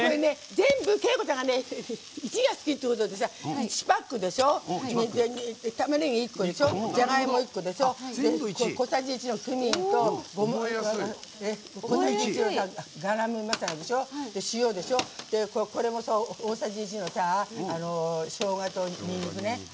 全部、景子ちゃんが１が好きってことで１パックでしょたまねぎ１個でしょじゃがいも１個でしょ小さじ１と、クミンも１で塩でしょ、これもそう大さじ１のしょうがとにんにくね。